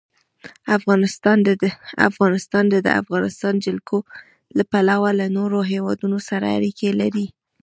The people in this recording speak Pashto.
افغانستان د د افغانستان جلکو له پلوه له نورو هېوادونو سره اړیکې لري.